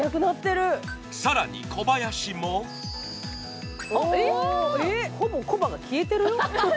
更に小林もほぼ、コバが消えてるよ。